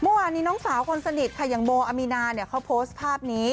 เมื่อวานนี้น้องสาวคนสนิทค่ะอย่างโมอามีนาเนี่ยเขาโพสต์ภาพนี้